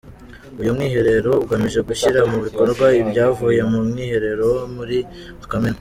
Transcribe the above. Uyu mwiherero ugamije gushyira mu bikorwa ibyavuye mu mwiherero wo muri Kamena.